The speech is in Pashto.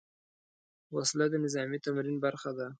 وسله د نظامي تمرین برخه ده